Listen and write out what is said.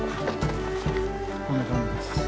こんな感じです。